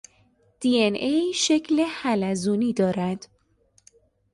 دی ان ا شکل حلزونی دارد.